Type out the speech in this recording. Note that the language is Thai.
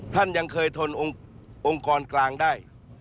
ท่านยังเคยทนองค์กรกลางได้